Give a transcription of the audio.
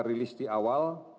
rilis di awal